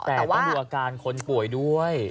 แต่ต้องดูอาการคนป่วยด้วย